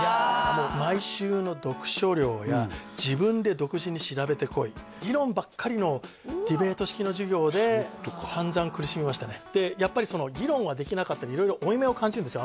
もう毎週の読書量や自分で独自に調べてこい議論ばっかりのディベート式の授業で散々苦しみましたねでやっぱり議論はできなかったんで色々負い目を感じるんですよ